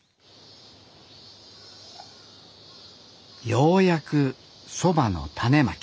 ようやくそばの種まき。